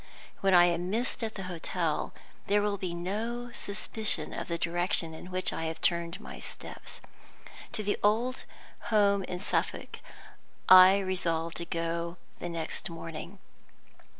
When I am missed at the hotel, there will be no suspicion of the direction in which I have turned my steps. To the old home in Suffolk I resolve to go the next morning.